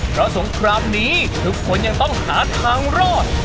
เพราะสงครามนี้ทุกคนยังต้องหาทางรอด